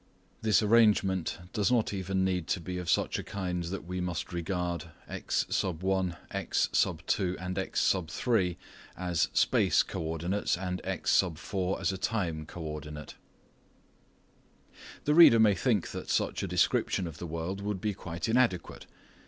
This arrangement does not even need to be of such a kind that we must regard x, x, x, as "space" co ordinates and x, as a " time " co ordinate. The reader may think that such a description of the world would be quite inadequate.